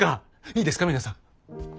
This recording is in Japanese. いいですか皆さん。